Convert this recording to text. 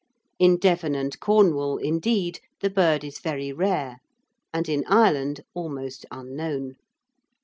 In Devon and Cornwall, indeed, the bird is very rare, and in Ireland almost unknown.